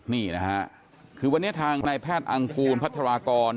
นี่นะฮะคือวันนี้ทางนายแพทย์อังกูลพัทรากร